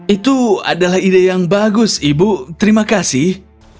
itu adalah ide yang bagus ibu terima kasih